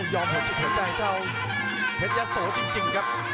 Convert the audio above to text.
หัวจิตหัวใจเจ้าเพชรยะโสจริงครับ